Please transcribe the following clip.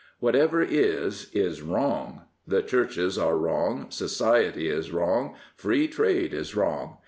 Whatever is, is wrong. The Churches are wrong, society is wrong, Free Trade is wrong.